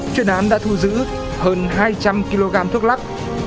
chuyên án đã thu giữ hơn hai trăm linh kg thuốc lắc